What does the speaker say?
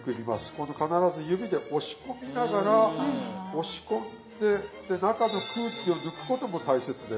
この必ず指で押し込みながら押し込んでで中の空気を抜くことも大切です。